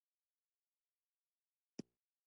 ستا هم پر زړه باندي لګیږي کنه؟